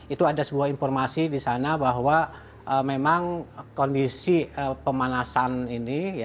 itu ada sebuah informasi di sana bahwa memang kondisi pemanasan ini